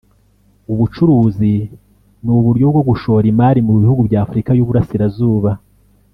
ubucuruzi n’uburyo bwo gushora imari mu bihugu bya Afurika y’Uburasirazuba